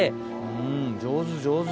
うん上手上手。